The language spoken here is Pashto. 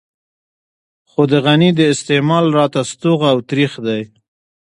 خو د غني د استعمال راته ستوغ او ترېخ دی.